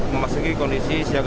memasuki kondisi siaga tiga